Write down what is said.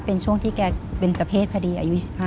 เป็นช่วงที่เกียร์เป็นสะเพศพอดีอายุ๑๕